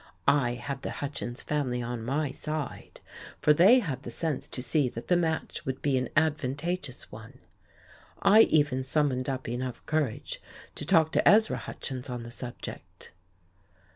I had the Hutchins family on my side, for they had the sense to see that the match would be an advantageous one; I even summoned up enough courage to talk to Ezra Hutchins on the subject.